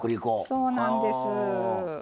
そうなんです。